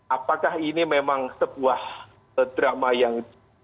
apakah ini memang sebuah drama yang